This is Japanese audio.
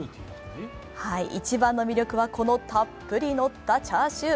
一番の魅力は、このたっぷりのったチャーシュー。